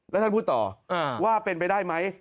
แล้วท่านพูดต่อว่าเป็นไปได้ไหม